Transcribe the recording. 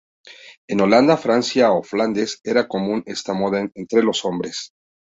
En Holanda, Francia o Flandes era común esta moda entre los hombres.